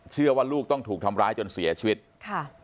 เชื่อว่าลูกต้องถูกทำร้ายจนเสียชีวิตค่ะ